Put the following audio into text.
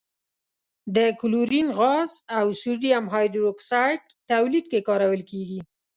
د کلورین غاز او سوډیم هایدرو اکسایډ تولید کې کارول کیږي.